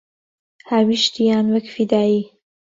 هاویشتیان وەک فیدایی